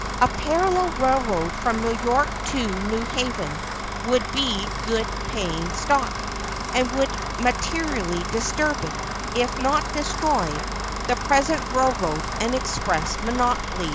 A parallel railroad from New York to New Haven would be good paying stock, and would materially disturb, if not destroy, the present railroad and express monopolies.